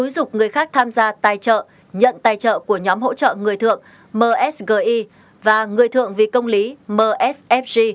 dục người khác tham gia tài trợ nhận tài trợ của nhóm hỗ trợ người thượng msgi và người thượng vì công lý msfg